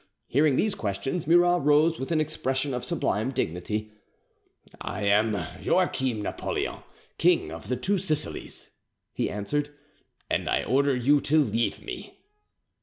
Hearing these questions, Murat rose with an expression of sublime dignity. "I am Joachim Napoleon, King of the Two Sicilies," he answered, "and I order you to leave me."